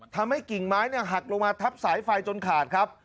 ทำให้กิ่งไม้หักลงมาทับสายไฟจนขาดครับ